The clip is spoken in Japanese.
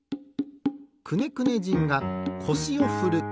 くねくね人がこしをふる。